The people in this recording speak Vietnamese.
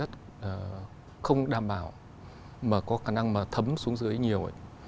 hóa chất không đảm bảo mà có khả năng mà thấm xuống dưới nhiều ấy